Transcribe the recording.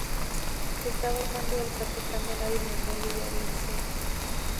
Estaba al mando del capitán de navío Manuel Villavicencio.